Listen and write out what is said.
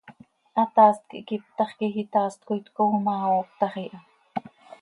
Hataast quih quiptax quih itaast coi tcooo ma, ooptax iha.